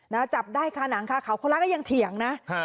นะจับได้ค่ะหนังค่ะเขาแล้วก็ยังเถียงนะอ่า